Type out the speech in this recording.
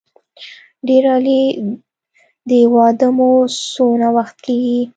ډېر عالي د واده مو څونه وخت کېږي.